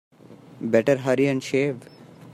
Better hurry and shave.